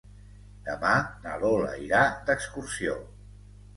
Demà na Lola irà d'excursió.